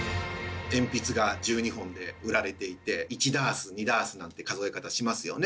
鉛筆が１２本で売られていて１ダース２ダースなんて数え方しますよね。